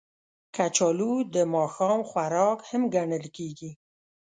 کچالو د ماښام خوراک هم ګڼل کېږي